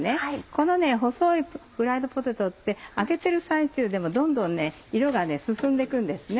この細いフライドポテトって揚げてる最中でもどんどん色が進んで行くんですね。